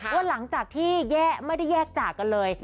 ว่าหลังจากที่ไม่ได้แยกจากกันเลย